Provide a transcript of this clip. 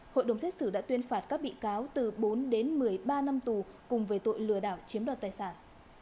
hội đồng xét xử đã tuyên phạt các bị cáo từ bốn đến một mươi ba năm tù cùng về tội lừa đảo chiếm đoạt tài sản